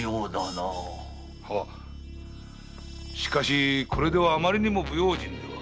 しかしこれではあまりにも不用心では？